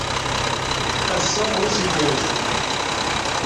Ass-a d ass igerrzen.